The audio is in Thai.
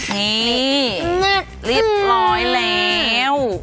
นี่เรียบร้อยแล้ว